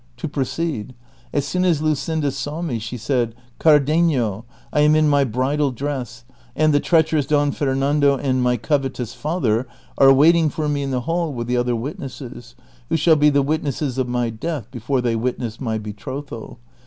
To proceed: as soon as Luscinda saw me she said, •' Cardenio, I am in my bridal dress, and the treacherous Don Fernando and my covetous father are waiting for me in the hall with the other wit nesses, who shall be the witnesses of my death before they witness my betrothal.